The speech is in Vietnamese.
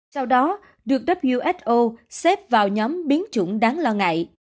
sau đó được who xếp vào nhóm biến chủng đáng lo ngại